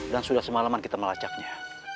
dan sudah semalaman kita melacaknya